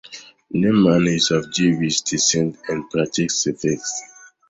Neumann is of Jewish descent and practices the faith.